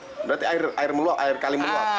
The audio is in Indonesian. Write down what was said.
berarti air meluap air kali meluap